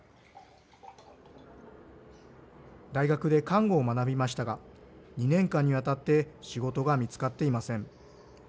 大学で看護を学びましたが２年間にわたって仕事が見つかっていません。